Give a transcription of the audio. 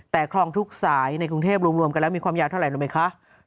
แต่คลองทุกสายในกรุงเทพรวมกันแล้วมีความยาวเท่าไรรู้ไหมคะ